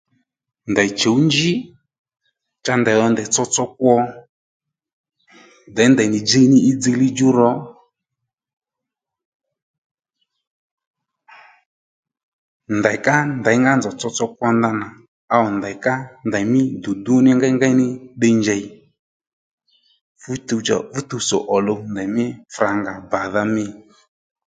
Ndèy chǔw njí cha ndèy dho ndèy tsotso kwo děy ndèy nì djiy ní í dziylíy djú ro ndèy ká nděyngá nzòw tsotso kwo ndanà áẁ ndèy ká ndèymí dùdú ngéyngéy ní ddiy njèy fú tuw tsò fú tuwtsò òluw mí fràngà bàdha mî